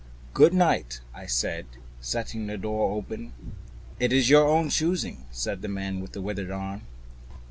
"Good night," I said, setting the door open. "It's your own choosing," said the man with the withered arm.